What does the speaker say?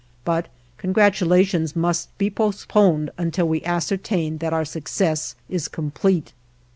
But congratulations must be postponed until we ascertain that our success is complete.